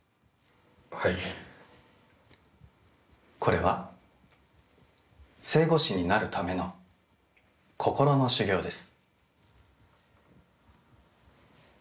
これは正悟師になるための心の修行です。